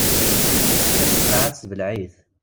Tečča-t lqaɛa tesbleɛ-it.